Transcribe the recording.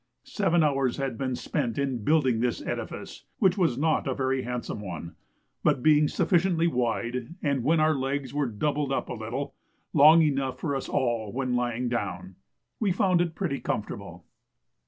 Seven hours had been spent in building this edifice, which was not a very handsome one; but being sufficiently wide, and, when our legs were doubled up a little, long enough for us all when lying down, we found it pretty comfortable.